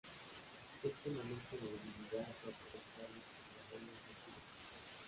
Este momento de debilidad fue aprovechado por los reinos vecinos.